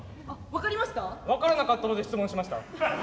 分からなかったので質問しました。